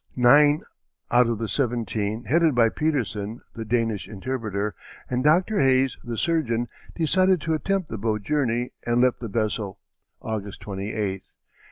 Nine out of the seventeen, headed by Petersen, the Danish interpreter, and Dr. Hayes, the surgeon, decided to attempt the boat journey and left the vessel August 28th.